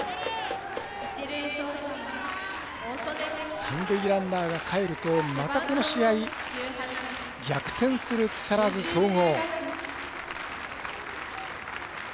三塁ランナーがかえるとまたこの試合逆転する木更津総合。